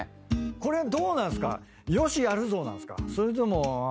これどうなんすか？